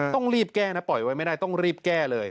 ต้องรีบแก้นะปล่อยไว้ไม่ได้ต้องรีบแก้เลย